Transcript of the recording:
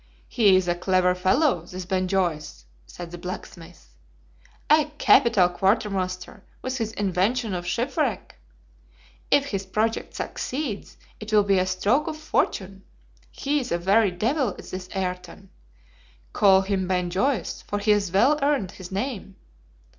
'He is a clever fellow, this Ben Joyce,' said the blacksmith. 'A capital quartermaster, with his invention of shipwreck.' 'If his project succeeds, it will be a stroke of fortune.' 'He is a very devil, is this Ayrton.' 'Call him Ben Joyce, for he has well earned his name.